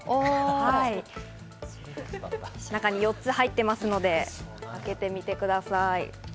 中に４つ入ってますので、開けてみてください。